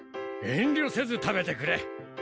遠慮せず食べてくれ。